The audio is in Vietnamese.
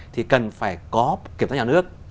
thì cần phải có kiểm toán nhà nước